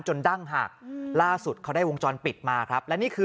ดั้งหักล่าสุดเขาได้วงจรปิดมาครับและนี่คือ